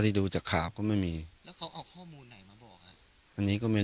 มันน่าจะปกติบ้านเรามีก้านมะยมไหม